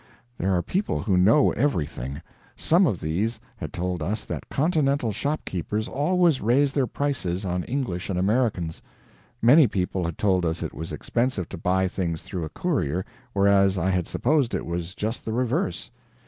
There are people who know everything. Some of these had told us that continental shopkeepers always raise their prices on English and Americans. Many people had told us it was expensive to buy things through a courier, whereas I had supposed it was just the reverse.